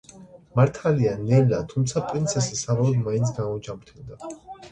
მართალია ნელა, თუმცა პრინცესა საბოლოოდ მაინც გამოჯანმრთელდა.